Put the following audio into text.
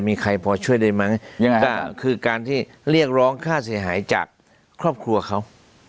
มีใครพอช่วยได้ไหมยังไงก็คือการที่เรียกร้องค่าเสียหายจากครอบครัวเขา